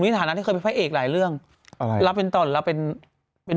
ฐานะที่เคยเป็นพระเอกหลายเรื่องอะไรรับเป็นต่อนรับเป็นเป็น